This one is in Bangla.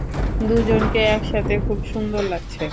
দুজনকে একসাথে খুব সুন্দর লাগছে।